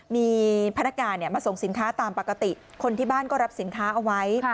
มีพนักงานมาส่งสินค้าตามปกติคนที่บ้านก็รับสินค้าเอาไว้